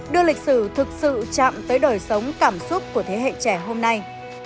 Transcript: đưa lịch sử thực sự chạm tới đời sống cảm xúc của thế hệ trẻ hôm nay